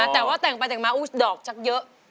แต่ว่าแต่งไปแต่งมาดอกชักเยอะ